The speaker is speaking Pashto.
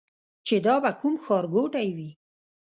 چې دا به کوم ښار ګوټی وي.